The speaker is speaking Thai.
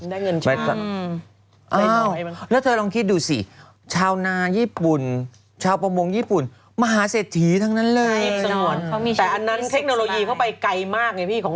ไม่ได้ยังไม่มีอะไรสักอย่าง